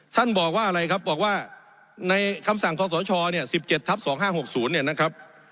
ท่านบอกว่าอะไรครับบอกว่าในคำสั่งขอสชเนี่ย๑๗ทับ๒๕๖๐เนี่ยนะครับ